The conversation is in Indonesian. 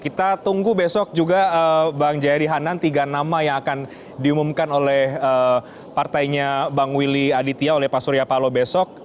kita tunggu besok juga bang jayadi hanan tiga nama yang akan diumumkan oleh partainya bang willy aditya oleh pak surya palo besok